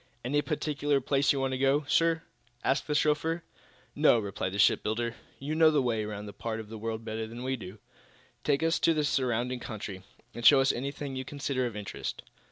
"Any particular place you want to go, sir?" asked the chauffeur. "No," replied the shipbuilder. "You know the way around this part of the world better than we do. Take us out into the surrounding country, and show us anything you consider of interest."